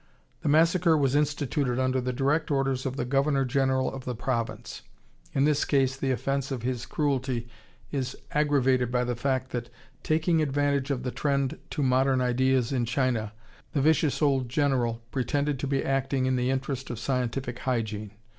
The massacre was instituted under the direct orders of the governor general of the province.... In this case the offense of his cruelty is aggravated by the fact that, taking advantage of the trend to modern ideas in China, the vicious old general pretended to be acting in the interest of scientific hygiene.